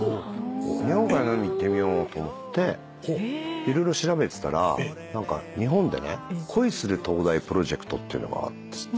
日本海の海行ってみようと思って色々調べてたら何か日本でね恋する灯台プロジェクトっていうのがあるんですって。